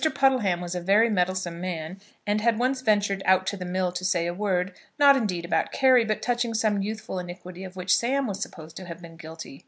Puddleham was a very meddlesome man, and he had once ventured out to the mill to say a word, not indeed about Carry, but touching some youthful iniquity of which Sam was supposed to have been guilty.